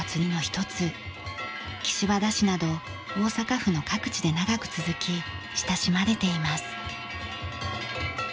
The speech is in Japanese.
岸和田市など大阪府の各地で長く続き親しまれています。